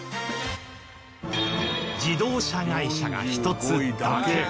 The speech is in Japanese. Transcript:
自動車会社が１つだけ